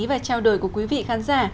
và trao đổi của quý vị khán giả